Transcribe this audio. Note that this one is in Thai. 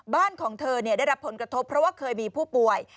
บ้านของเธอได้รับผลกระทบเพราะว่าเคยมีผู้ป่วย